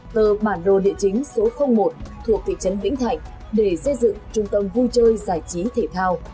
tờ bản đồ địa chính số một thuộc thị trấn vĩnh thạnh để xây dựng trung tâm vui chơi giải trí thể thao